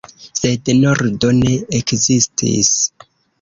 Sed nordo ne ekzistis.